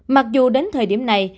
mặc dù đến thời điểm này